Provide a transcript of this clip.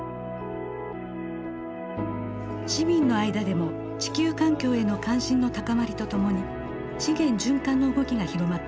市民の間でも地球環境への関心の高まりとともに資源循環の動きが広まっています。